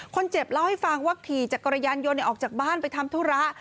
คนเจ็บเล่าให้ฟังว่าขี่จักรยานยนต์ออกจากบ้านไปทำธุระ